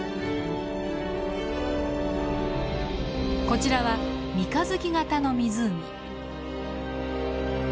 こちらは三日月形の湖。